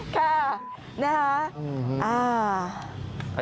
ค่ะนะคะ